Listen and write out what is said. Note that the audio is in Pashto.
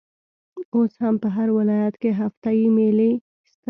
اوس هم په هر ولايت کښي هفته يي مېلې سته.